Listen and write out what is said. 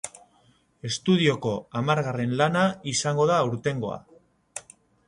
Estudioko hamargarren lana izango da aurtengoa.